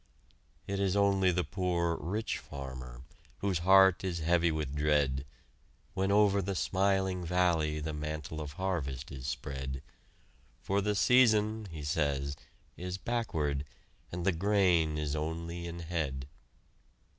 It is only the poor, rich farmer Whose heart is heavy with dread, When over the smiling valley The mantle of harvest is spread; "For the season," he says, "is backward And the grain is only in head!"